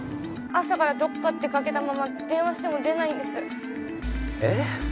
朝から出かけたまま電話しても出ないんですえッ？